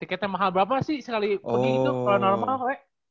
tiketnya mahal bapak sih sekali pergi itu kalau normal